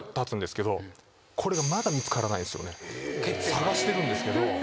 探してるんですけど。